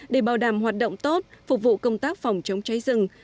để bảo đảm hoạt động tốt phục vụ công tác phòng chống cháy rừng